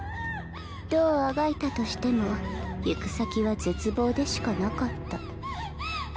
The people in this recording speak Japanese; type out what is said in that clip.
どうあがいたとしても行く先は絶望でしかなかった。